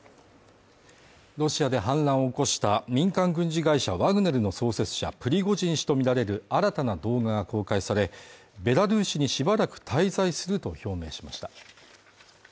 ロシアで反乱を起こした民間軍事会社ワグネルの創設者プリゴジン氏とみられる新たな動画が公開され、ベラルーシにしばらく滞在すると表明しました。